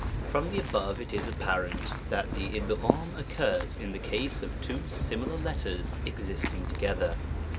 FROM the above it is apparent, that the . o occurs in the case of two similar letters ex * isting together.